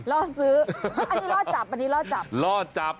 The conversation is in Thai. ล่อซื้ออันนี้ล่อจับ